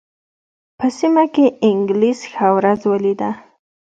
په سیمه کې انګلیس ښه ورځ ولېده.